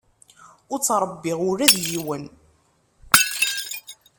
Ur ttṛebbiɣ ula d yiwen.